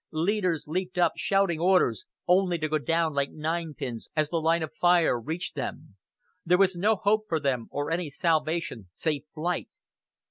Leaders leaped up, shouting orders, only to go down like ninepins as the line of fire reached them. There was no hope for them or any salvation save flight.